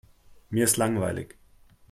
Mir ist langweilig.